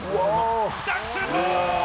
ダンクシュート！